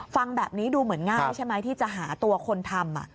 ฟังแบบนี้ดูเหมือนง่ายใช่ไหมที่จะหาตัวคนทำ